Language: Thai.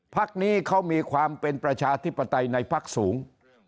พักนี้เขามีความเป็นประชาธิปไตยในพักสูง